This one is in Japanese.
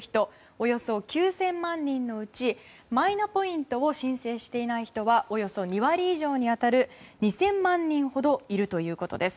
およそ９０００万人のうちマイナポイントを申請していない人はおよそ２割以上に当たる２０００万人ほどいるということです。